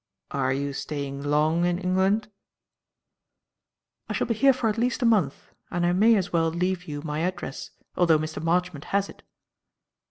Are you staying long in England?" "I shall be here for at least a month; and I may as well leave you my address, although Mr. Marchmont has it."